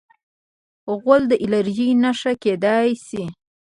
غول د الرجۍ نښه کېدای شي.